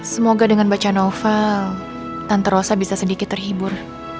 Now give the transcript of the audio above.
semoga dengan baca novel tante rosa bisa sedikit terhibur